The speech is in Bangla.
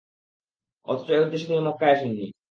অথচ এ উদ্দেশে তিনি মক্কায় আসেননি।